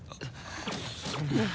そんな。